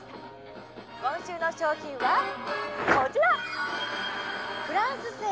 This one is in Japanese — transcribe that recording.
今週の商品はこちら！